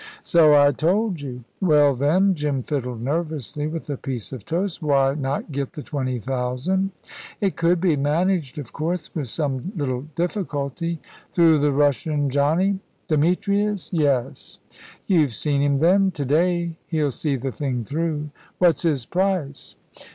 "So I told you." "Well, then," Jim fiddled nervously with a piece of toast, "why not get the twenty thousand?" "It could be managed, of course, with some little difficulty." "Through that Russian Johnny?" "Demetrius? Yes." "You've see him, then?" "To day. He'll see the thing through." "What's his price?"